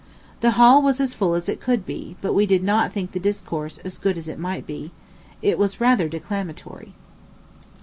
The hall was as full as it could be, but we did not think the discourse as good as it might be. It was rather declamatory.